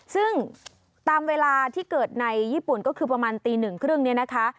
ซึ่งตามเวลาที่เกิดในญี่ปุ่นก็คือประมาณตี๑๓๐นี้นะคะ